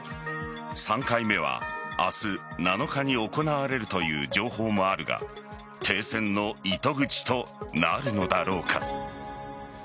３回目は明日７日に行われるという情報もあるが停戦の糸口となるのだろうか。